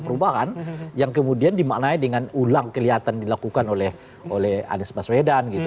perubahan yang kemudian dimaknai dengan ulang kelihatan dilakukan oleh anies baswedan gitu